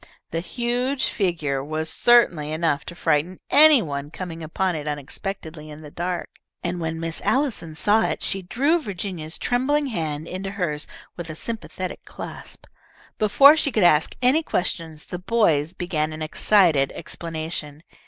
The huge figure was certainly enough to frighten any one coming upon it unexpectedly in the dark, and when Miss Allison saw it she drew Virginia's trembling hand into hers with a sympathetic clasp. Before she could ask any questions, the boys began an excited explanation.